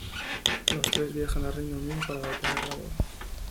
Los tres viajan a Reino Unido para detener la boda.